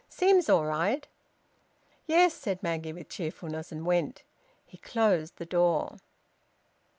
"Seems all right." "Yes," said Maggie, with cheerfulness, and went. He closed the door.